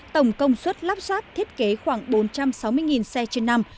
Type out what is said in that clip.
tổng công suất lắp sáp thiết kế khoảng bốn trăm sáu mươi xe trên năm